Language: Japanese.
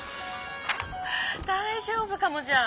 大丈夫かもじゃあ！